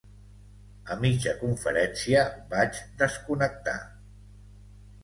A mitja conferència, vaig desconnectar.